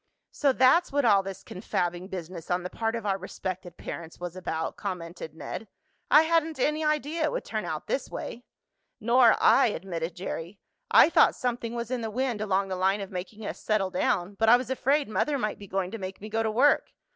"So that's what all this confabbing business on the part of our respected parents was about," commented Ned. "I hadn't any idea it would turn out this way." "Nor I," admitted Jerry. "I thought something was in the wind along the line of making us settle down, but I was afraid mother might be going to make me go to work.